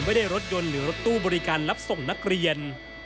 รถยนต์หรือรถตู้บริการรับส่งนักเรียน